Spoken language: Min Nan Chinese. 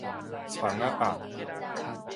蔥仔鴨